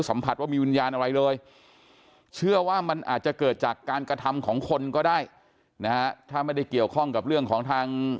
ว่ามีวิญญาณอะไรเลยเชื่อว่ามันอาจจะเกิดจากการกระทำของคนก็ได้นะฮะถ้าไม่ได้เกี่ยวข้องกับเรื่องของทาง